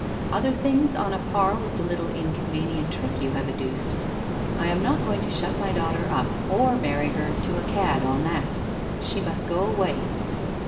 ' Other things on a par with the little inconvenient trick you have adduced. I am not going to shut my daughter up, or marry her to a cad on that. She must go away.'